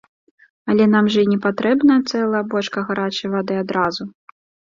Але нам жа і не патрэбна цэлая бочка гарачай вады адразу.